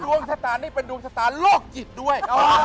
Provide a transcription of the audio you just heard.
ดวงชะตานี่เป็นดวงชะตาโลกจิตด้วย